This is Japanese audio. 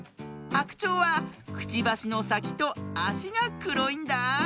ハクチョウはくちばしのさきとあしがくろいんだあ。